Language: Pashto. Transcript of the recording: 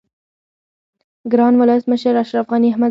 گران ولس مشر اشرف غنی احمدزی